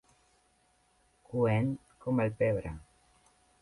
Coent com el pebre.